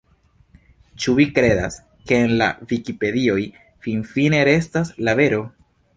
Ĉu vi kredas, ke en la vikipedioj finfine restas la vero?